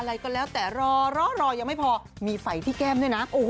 อะไรก็แล้วแต่รอรอยังไม่พอมีไฟที่แก้มด้วยนะ